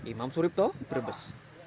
imam suripto brebes